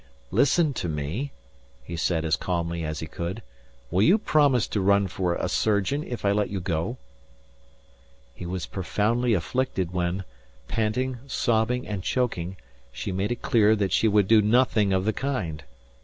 "Listen to me," he said as calmly as he could. "Will you promise to run for a surgeon if I let you go?" He was profoundly afflicted when, panting, sobbing, and choking, she made it clear that she would do nothing of the kind.